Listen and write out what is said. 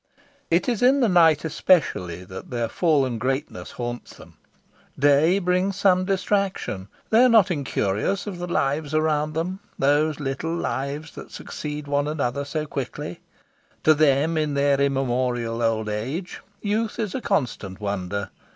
It is in the night especially that their fallen greatness haunts them. Day brings some distraction. They are not incurious of the lives around them these little lives that succeed one another so quickly. To them, in their immemorial old age, youth is a constant wonder.